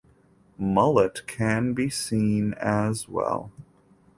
Mullet can be seen as well.